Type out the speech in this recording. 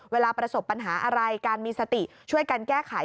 เวลาประสบปัญหาอะไรการมีสติช่วยกันแก้ไข